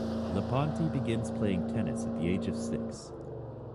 Lapentti began playing tennis at the age of six.